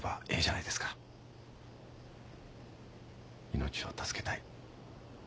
命を助けたい。